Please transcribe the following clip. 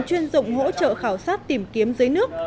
chuyên dụng hỗ trợ khảo sát tìm kiếm dưới nước